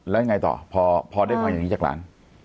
แล้วยังไงต่อพอได้ฟังอย่างนี้จากหลาน